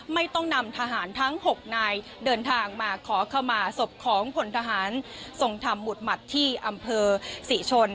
ไม่ต้องนำทหารทั้ง๖นายเดินทางมาขอขมาศพของผลทหารทรงธรรมหุดหมัดที่อำเภอศรีชน